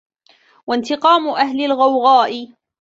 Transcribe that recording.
وَانْتِقَامُ أَهْلِ الْغَوْغَاءِ